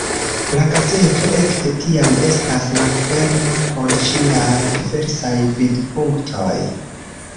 La gazeto ekde tiam estas malferma por ĉiaj diversaj vidpunktoj.